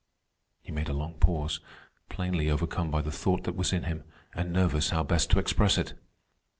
He made a long pause, plainly overcome by the thought that was in him, and nervous how best to express it.